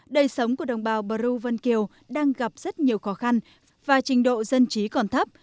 đầy sống của đồng bào bà rưu vân kiều đang gặp rất nhiều khó khăn và trình độ dân trí còn thấp